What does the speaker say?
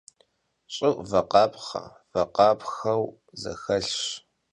Ş'ır vakhapxhe - vakhapxheu zexelhş.